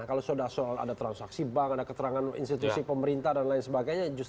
kalau sudah soal ada transaksi bank ada keterangan institusi pemerintah dan lain sebagainya